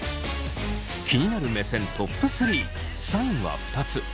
気になる目線トップ３３位は２つ。